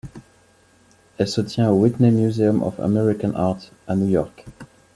Elle se tient au Whitney Museum of American Art, à New York.